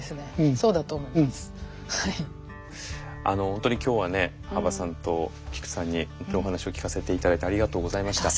本当に今日はね羽馬さんと菊池さんにお話を聞かせて頂いてありがとうございました。